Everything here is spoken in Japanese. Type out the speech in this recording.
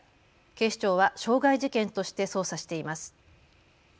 警視庁は傷害事件として捜査しています。